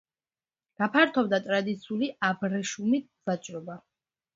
გაფართოვდა ტრადიციული აბრეშუმით ვაჭრობა.